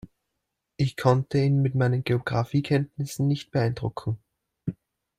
Ich konnte ihn mit meinen Geografiekenntnissen nicht beeindrucken.